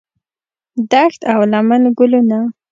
دښت او لمن ګلونه